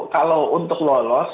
kalau untuk lolos